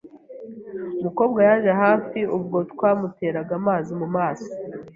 Umukobwa yaje hafi ubwo twamuteraga amazi mumaso.